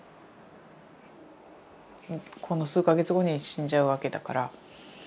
この数か月後に死んじゃうわけだから。